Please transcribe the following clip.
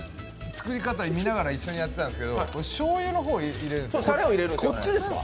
作り方見ながら一緒にやってたんですけどしょうゆの方を入れるんですね。